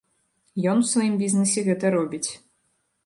Ён у сваім бізнесе гэта робіць.